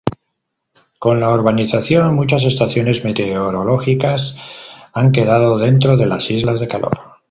Con la urbanización, muchas estaciones meteorológicas, han quedado "dentro" de las islas de calor.